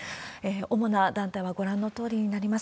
主な団体はご覧のとおりになります。